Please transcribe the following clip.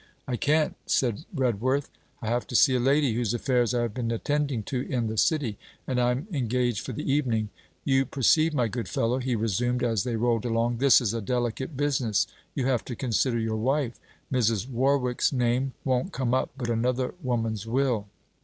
'I can't,' said Redworth, 'I have to see a lady, whose affairs I have been attending to in the City; and I 'm engaged for the evening. You perceive, my good fellow,' he resumed, as they rolled along, 'this is a delicate business. You have to consider your wife. Mrs. Warwick's, name won't come up, but another woman's will.'